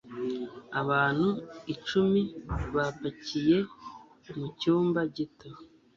Abantu icumi bapakiye mu cyumba gito